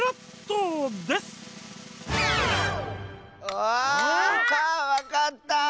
あわかった！